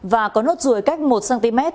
và có nốt ruồi cách một cm